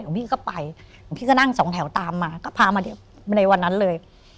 พี่ก็ไปหลวงพี่ก็นั่งสองแถวตามมาก็พามาเดี๋ยวในวันนั้นเลย